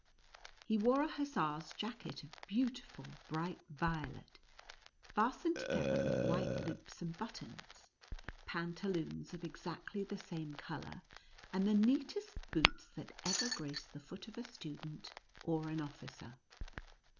He wore a hussar's jacket of beautiful bright violet, fastened together with white loops and buttons, pantaloons of exactly KUTCBACKEE AND MOUSE KING. 19 the same color, and the neatest boots that ever graced the foot of a student or an officer.